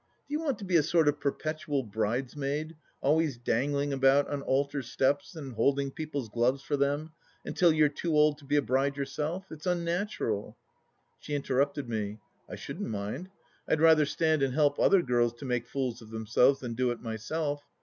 Do you want to be a sort of perpetual bridesmaid, always dangling about on altar steps and holding people's gloves for them, until you're too old to be a bride yourself ? It's unnatural. ..." She interrupted me. " I shouldn't mind. I'd rather stand and help other girls to make fools of themselves than do it myself.